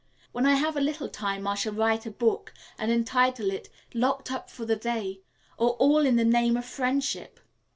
When I have a little time I shall write a book and entitle it, 'Locked Up for the Day; or All in the Name of Friendship.'"